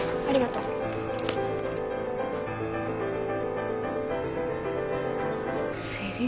ありがとう。